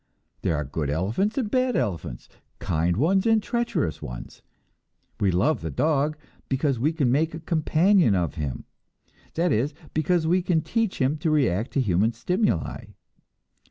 There are good elephants and bad elephants, kind ones and treacherous ones. We love the dog because we can make a companion of him; that is, because we can teach him to react to human stimuli.